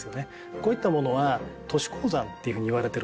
こういった物は都市鉱山っていうふうにいわれてるんですね。